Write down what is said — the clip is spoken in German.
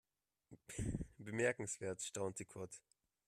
Bemerkenswert, staunte Kurt.